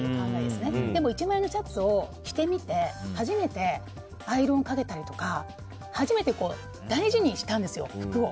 でも１万円のシャツを着てみて初めてアイロンかけたりとか初めて大事にしたんですよ、服を。